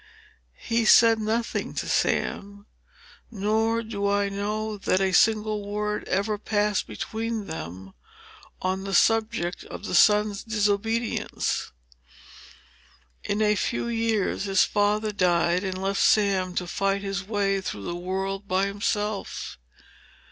He said nothing to Sam; nor do I know that a single word ever passed between them, on the subject of the son's disobedience. In a few years, his father died and left Sam to fight his way through the world by himself.